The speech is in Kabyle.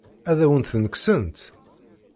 Ad awen-tent-kksent?